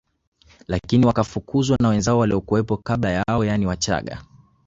Lakini wakafukuzwa na wenzao waliokuwepo kabla yao yaani Wachaga